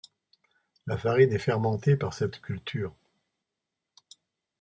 La farine est fermentée par cette culture.